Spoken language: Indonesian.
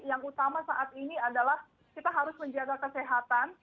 yang utama saat ini adalah kita harus menjaga kesehatan